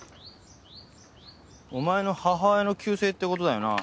お前の母親の旧姓って事だよな